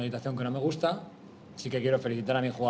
saya ingin mengucapkan kemenguatan kepada pemain saya